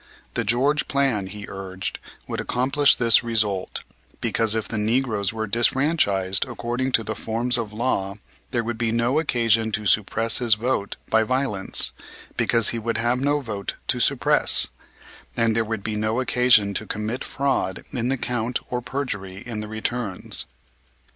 The George plan, he urged, would accomplish this result, because if the negroes were disfranchised according to the forms of law, there would be no occasion to suppress his vote by violence because he would have no vote to suppress; and there would be no occasion to commit fraud in the count or perjury in the returns.